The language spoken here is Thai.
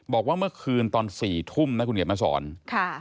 บอกว่าเมื่อคืนตอน๔ทุ่มนะคุณเขียนมาสอนค่ะ